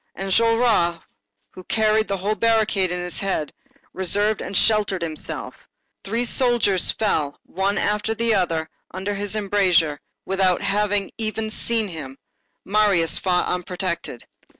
Enjolras, who carried the whole barricade in his head, reserved and sheltered himself; three soldiers fell, one after the other, under his embrasure, without having even seen him; Marius fought unprotected.